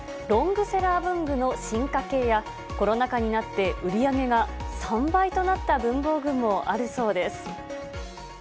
ロングセラー文具の進化系や、コロナ禍になって売り上げが３倍となった文房具もあるそうです。